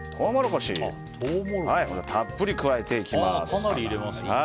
これをたっぷり加えていきます。